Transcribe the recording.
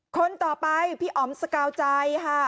คนต่อไปพี่อ๋อมสกาวใจค่ะ